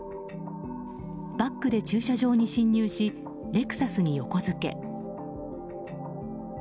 バックで駐車場に進入しレクサスに横付け。